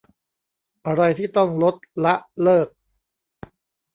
อะไรที่ต้องลด ละ เลิก